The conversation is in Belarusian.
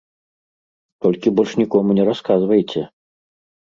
Толькі больш нікому не расказвайце.